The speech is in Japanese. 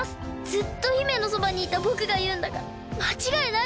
ずっと姫のそばにいたぼくがいうんだからまちがいないです。